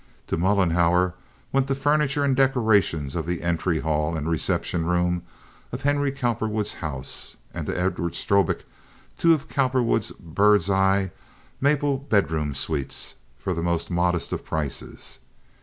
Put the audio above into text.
To Mollenhauer went the furniture and decorations of the entry hall and reception room of Henry Cowperwood's house, and to Edward Strobik two of Cowperwood's bird's eye maple bedroom suites for the most modest of prices.